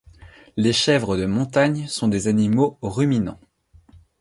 Les chèvres de montagne sont des animaux ruminants